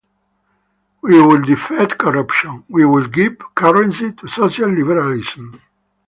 We will defeat corruption; we will give currency to social liberalism.